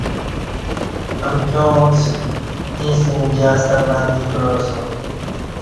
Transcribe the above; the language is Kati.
امکیاں اوݩڅ ایݩستہ می جہاز تہ بندی کعاسُوم